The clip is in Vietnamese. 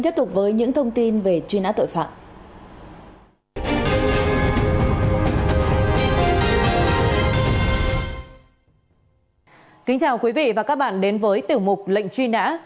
kính chào quý vị và các bạn đến với tiểu mục lệnh truy nã